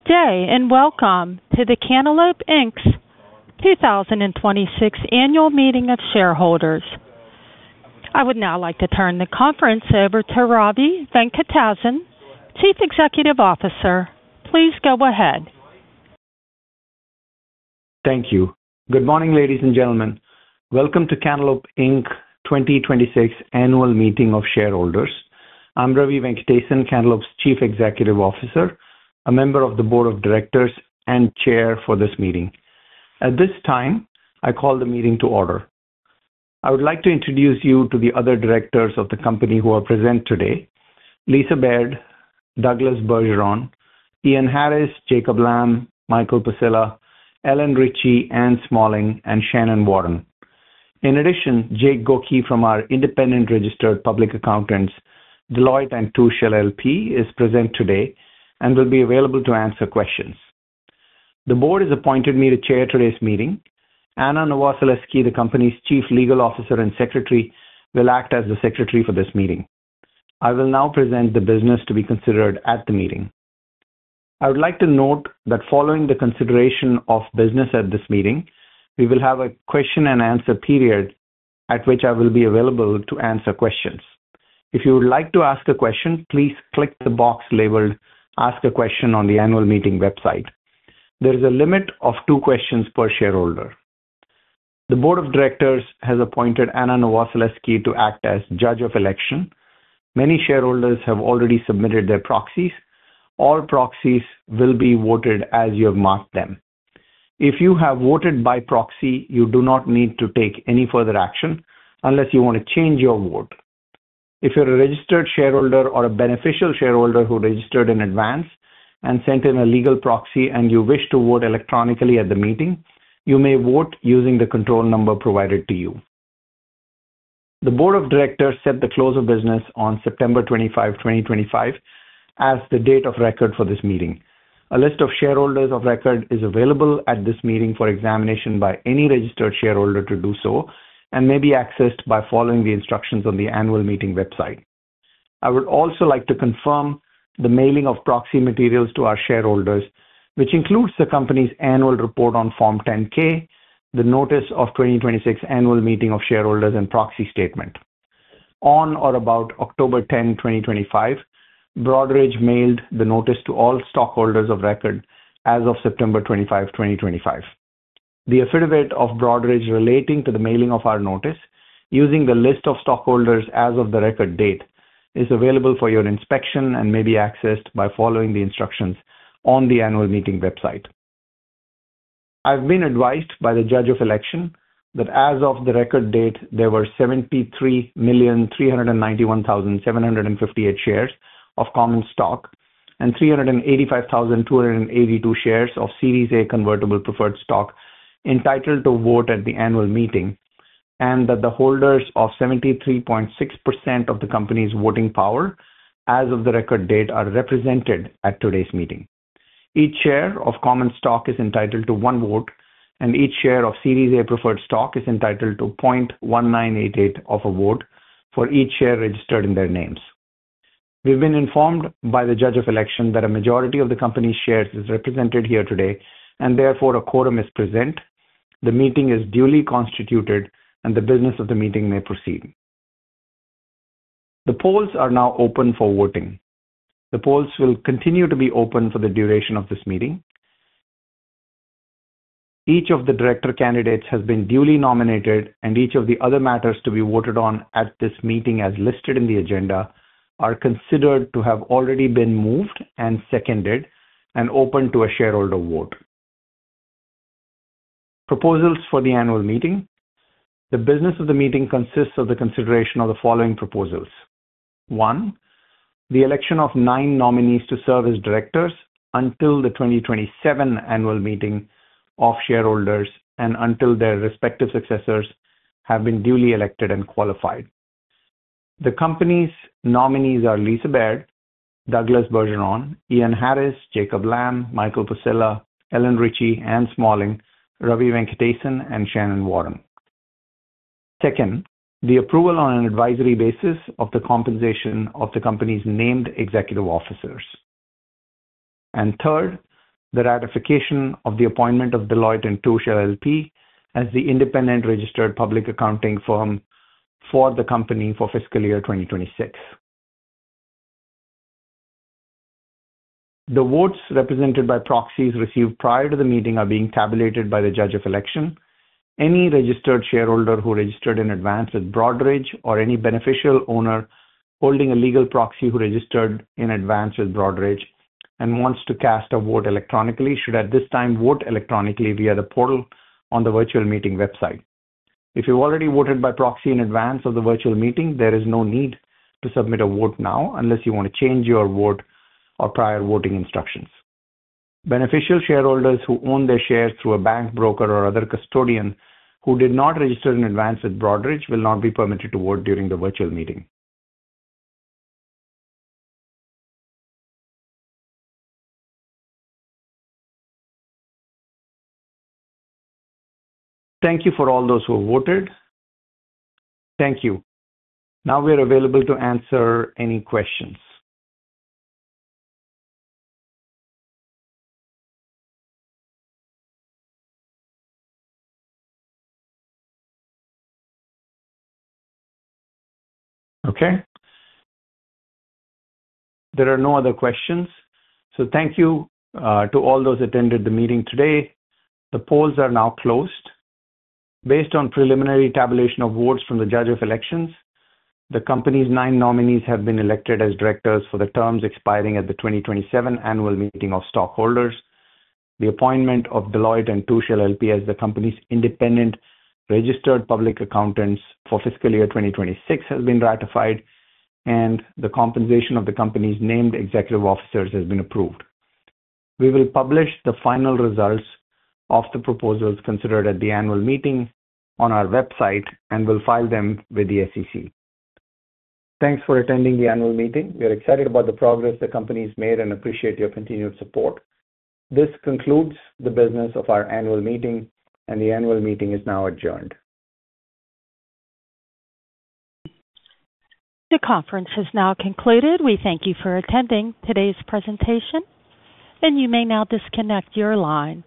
Today, and welcome to the Cantaloupe Inc's 2026 Annual Meeting of Shareholders. I would now like to turn the conference over to Ravi Venkatesan, Chief Executive Officer. Please go ahead. Thank you. Good morning, Ladies and Gentlemen. Welcome to Cantaloupe's 2026 Annual Meeting of Shareholders. I'm Ravi Venkatesan, Cantaloupe's Chief Executive Officer, a member of the Board of Directors, and Chair for this meeting. At this time, I call the meeting to order. I would like to introduce you to the other Directors of the company who are present today: Lisa Baird, Douglas Bergeron, Ian Harris, Jacob Lam, Michael Passilla, Ellen Richey, Anne Smalling, and Shannon Warren. In addition, Jake Gokey from our independent registered public accountants, Deloitte & Touche LLP, is present today and will be available to answer questions. The board has appointed me to Chair today's meeting. Anna Novoseletsky, the company's Chief Legal Officer and Secretary, will act as the secretary for this meeting. I will now present the business to be considered at the meeting. I would like to note that following the consideration of business at this meeting, we will have a question-and-answer period at which I will be available to answer questions. If you would like to ask a question, please click the box labeled "Ask a Question" on the Annual Meeting website. There is a limit of two questions per shareholder. The Board of Directors has appointed Anna Novoseletsky to act as Judge of Election. Many shareholders have already submitted their proxies. All proxies will be voted as you have marked them. If you have voted by proxy, you do not need to take any further action unless you want to change your vote. If you're a registered shareholder or a beneficial shareholder who registered in advance and sent in a legal proxy, and you wish to vote electronically at the meeting, you may vote using the control number provided to you. The Board of Directors set the close of business on September 25, 2025, as the date of record for this meeting. A list of shareholders of record is available at this meeting for examination by any registered shareholder to do so and may be accessed by following the instructions on the Annual Meeting website. I would also like to confirm the mailing of proxy materials to our shareholders, which includes the company's annual report on Form 10-K, the notice of the 2026 Annual Meeting of Shareholders, and proxy statement. On or about October 10, 2025, Broadridge mailed the notice to all stockholders of record as of September 25, 2025. The affidavit of Broadridge relating to the mailing of our notice using the list of stockholders as of the record date is available for your inspection and may be accessed by following the instructions on the Annual Meeting website. I've been advised by the judge of election that as of the record date, there were 73,391,758 shares of common stock and 385,282 shares of Series A convertible preferred stock entitled to vote at the Annual Meeting, and that the holders of 73.6% of the company's voting power as of the record date are represented at today's meeting. Each share of common stock is entitled to one vote, and each share of Series A preferred stock is entitled to 0.1988 of a vote for each share registered in their names. We've been informed by the judge of election that a majority of the company's shares is represented here today, and therefore a quorum is present. The meeting is duly constituted, and the business of the meeting may proceed. The polls are now open for voting. The polls will continue to be open for the duration of this meeting. Each of the director candidates has been duly nominated, and each of the other matters to be voted on at this meeting as listed in the agenda are considered to have already been moved and seconded and open to a shareholder vote. Proposals for the Annual Meeting: The business of the meeting consists of the consideration of the following proposals: One, the election of nine nominees to serve as directors until the 2027 Annual Meeting of shareholders and until their respective successors have been duly elected and qualified. The company's nominees are Lisa Baird, Douglas Bergeron, Ian Harris, Jacob Lam, Michael Passilla, Ellen Richey, Anne Smalling, Ravi Venkatesan, and Shannon Warren. Second, the approval on an advisory basis of the compensation of the company's named Executive Officers. Third, the ratification of the appointment of Deloitte & Touche LLP as the independent registered public accounting firm for the company for fiscal year 2026. The votes represented by proxies received prior to the meeting are being tabulated by the judge of election. Any registered shareholder who registered in advance with Broadridge or any beneficial owner holding a legal proxy who registered in advance with Broadridge and wants to cast a vote electronically should at this time vote electronically via the portal on the. If you've already voted by proxy in advance of the virtual meeting, there is no need to submit a vote now unless you want to change your vote or prior voting instructions. Beneficial shareholders who own their shares through a bank, broker, or other custodian who did not register in advance with Broadridge will not be permitted to vote during the virtual meeting. Thank you for all those who voted. Thank you. Now we are available to answer any questions. Okay. There are no other questions. Thank you to all those who attended the meeting today. The polls are now closed. Based on preliminary tabulation of votes from the Judge of Elections, the company's nine nominees have been elected as Directors for the terms expiring at the 2027 Annual Meeting of Stockholders. The appointment of Deloitte & Touche LLP as the company's independent Registered Public Accounting firm for fiscal year 2026 has been ratified, and the compensation of the company's named Executive Officers has been approved. We will publish the final results of the proposals considered at the Annual Meeting on our website and will file them with the SEC. Thanks for attending the Annual Meeting. We are excited about the progress the company has made and appreciate your continued support. This concludes the business of our Annual Meeting, and the Annual Meeting is now adjourned. The conference has now concluded. We thank you for attending today's presentation, and you may now disconnect your line.